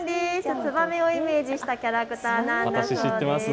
つばめをイメージしたキャラクターなんです。